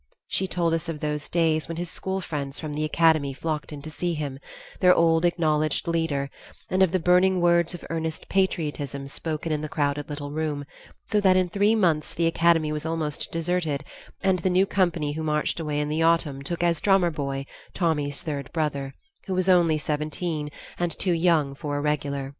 She told us of those days when his school friends from the Academy flocked in to see him, their old acknowledged leader, and of the burning words of earnest patriotism spoken in the crowded little room, so that in three months the Academy was almost deserted and the new Company who marched away in the autumn took as drummer boy Tommy's third brother, who was only seventeen and too young for a regular.